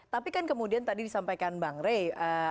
tapi kan kemudian tadi disampaikan bang rey